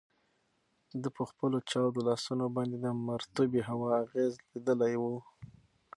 ده په خپلو چاودو لاسونو باندې د مرطوبې هوا اغیز لیدلی و.